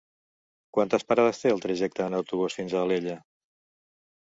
Quantes parades té el trajecte en autobús fins a Alella?